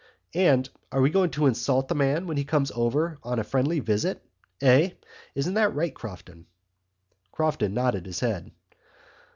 And are we going to insult the man when he comes over here on a friendly visit? Eh? Isn't that right, Crofton?" Mr Crofton nodded his head.